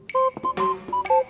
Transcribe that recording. saya juga ngantuk